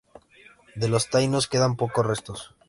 De los taínos quedan pocos restos.